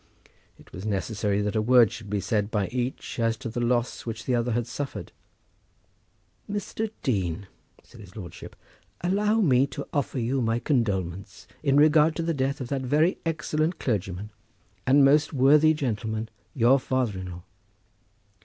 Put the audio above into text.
It was necessary that a word should be said by each as to the loss which the other had suffered. "Mr. Dean," said his lordship, "allow me to offer you my condolements in regard to the death of that very excellent clergyman and most worthy gentleman, your father in law."